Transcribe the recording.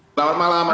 selamat malam mas